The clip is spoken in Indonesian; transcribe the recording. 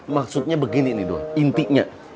maksudnya begini nih doh intinya